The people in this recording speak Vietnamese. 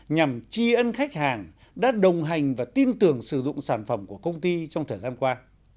nhằm chi ân khách hàng đã đồng hành và tin tưởng sử dụng sản phẩm của công ty trong thời gian qua